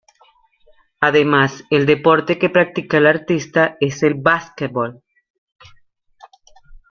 Además el deporte que practica el artista es el basquetbol.